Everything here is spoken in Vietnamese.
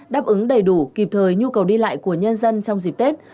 đáp ứng đầy đủ kịp thời nhu cầu đi lại của nhân dân trong dịp tết